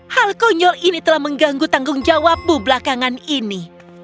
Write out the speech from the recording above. hal konyol ini telah mengganggu tanggung jawabmu belakangan ini